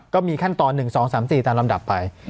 ก็มีขั้นตอน๑๒๓๔ตามลำดับไป